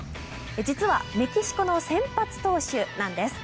実はメキシコの先発投手なんです。